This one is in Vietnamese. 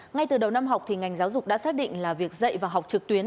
ngay từ đầu năm học thì ngành giáo dục đã xác định là việc dạy và học trực tuyến